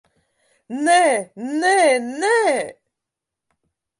Nē, nē, nē!